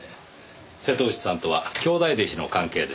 瀬戸内さんとは兄弟弟子の関係です。